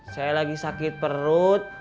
saya lagi sakit perut